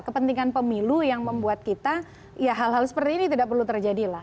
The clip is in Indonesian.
kepentingan pemilu yang membuat kita ya hal hal seperti ini tidak perlu terjadi lah